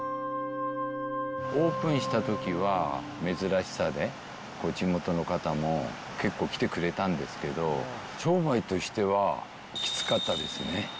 オープンしたときは、珍しさで、地元の方も結構来てくれたんですけど、商売としてはきつかったですね。